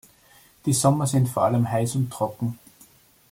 Die Sommer sind vor allem heiß und trocken.